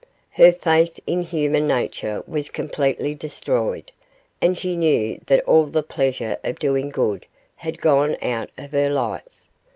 Her faith in human nature was completely destroyed, and she knew that all the pleasure of doing good had gone out of her life.